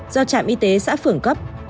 do trạm y tế xã phường cấp